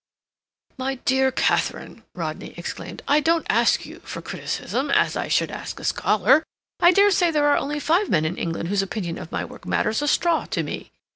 "My dear Katharine," Rodney exclaimed, "I don't ask you for criticism, as I should ask a scholar. I dare say there are only five men in England whose opinion of my work matters a straw to me.